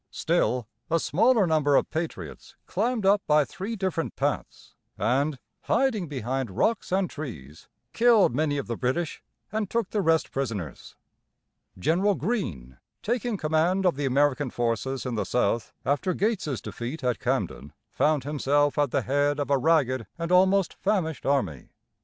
Still, a smaller number of patriots climbed up by three different paths, and, hiding behind rocks and trees, killed many of the British, and took the rest prisoners. General Greene, taking command of the American forces in the South after Gates's defeat at Camden, found himself at the head of a ragged and almost famished army.